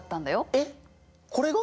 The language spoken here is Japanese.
えっこれが！？